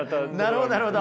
なるほどなるほど。